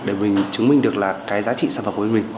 để mình chứng minh được là cái giá trị sản phẩm của mình